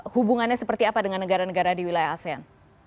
hubungannya seperti apa dengan negara negara di wilayah asean